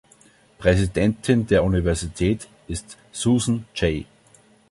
Präsidentin der Universität ist Susan J.